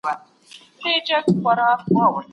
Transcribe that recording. ملتونه چیري د اقلیتونو حقونه لټوي؟